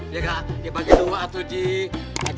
ya kak di bagian bawah atau di sulam kanan